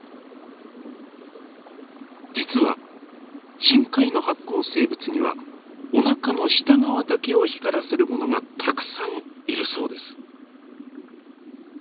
実は深海の発光生物にはおなかの下側だけを光らせるものがたくさんいるそうです。